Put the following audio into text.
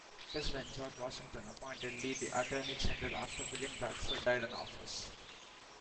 President George Washington appointed Lee the Attorney General after William Bradford died in office.